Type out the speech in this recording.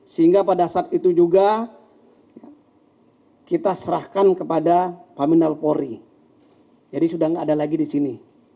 sehingga pada saat itu juga kita serahkan kepada paminal polri jadi sudah tidak ada lagi di sini